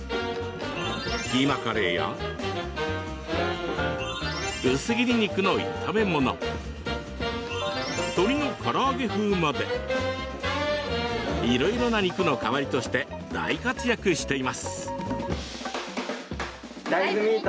キーマカレーや薄切り肉の炒め物鶏のから揚げ風までいろいろな肉の代わりとして大活躍しています。